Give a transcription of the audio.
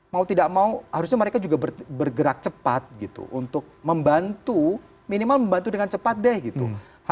mau tidak mau harusnya mereka juga bergerak cepat gitu untuk membantu minimal membantu dengan cepat deh gitu